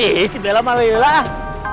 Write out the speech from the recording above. eh si bella malah ini lah